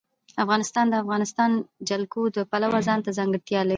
افغانستان د د افغانستان جلکو د پلوه ځانته ځانګړتیا لري.